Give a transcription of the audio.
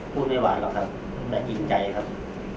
พูดไม่ไหวหรอกครับแต่จริงใจครับ